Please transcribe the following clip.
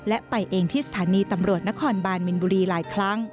และไปเองที่สถานีตำรวจนครบานมินบุรีหลายครั้ง